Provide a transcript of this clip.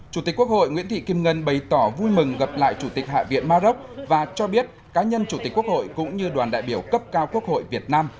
chủ tịch quốc hội nguyễn thị kim ngân bày tỏ vui mừng gặp lại chủ tịch hạ viện maroc và cho biết cá nhân chủ tịch quốc hội cũng như đoàn đại biểu cấp cao quốc hội việt nam